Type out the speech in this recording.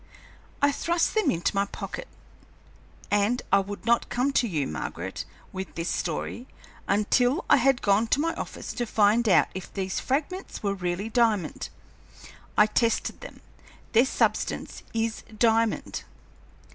I thrust them into my pocket, and I would not come to you, Margaret, with this story, until I had gone to my office to find out if these fragments were really diamond. I tested them; their substance is diamond!"